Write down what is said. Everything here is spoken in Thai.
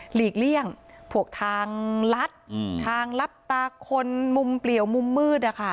หลีกเลี่ยงพวกทางลัดทางลับตาคนมุมเปลี่ยวมุมมืดนะคะ